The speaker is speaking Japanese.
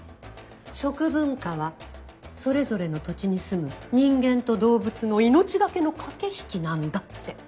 食文化はそれぞれの土地にすむ人間と動物の命懸けの駆け引きなんだって。